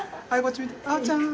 あおちゃん。